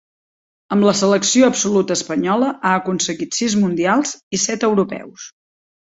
Amb la selecció absoluta espanyola, ha aconseguit sis mundials i set europeus.